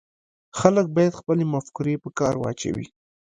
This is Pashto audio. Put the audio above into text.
خلک باید خپلې مفکورې په کار واچوي